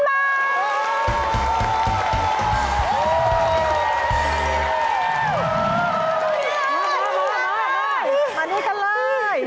มานี่กันเลย